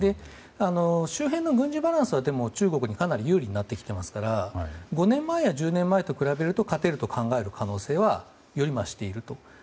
周辺の軍事バランスは、中国にかなり有利になってきていますが５年前や１０年前と比べると勝てると考える可能性はより増していると。